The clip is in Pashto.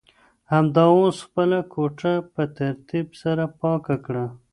همدا اوس خپله کوټه په ترتیب سره پاکه کړه.